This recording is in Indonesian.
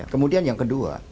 kemudian yang kedua